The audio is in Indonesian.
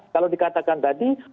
kalau dikatakan tadi